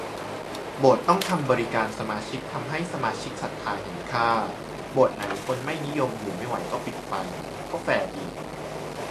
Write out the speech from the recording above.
โบสถ์ต้องทำบริการสมาชิกทำให้สมาชิกศรัทธาเห็นค่า โบสถ์ไหนคนไม่นิยมอยู่ไม่ไหวก็ปิดไป ก็แฟร์ดี